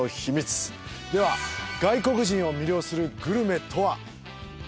では、外国人を魅了するグルメとは？